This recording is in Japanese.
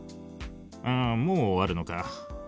あもう終わるのか。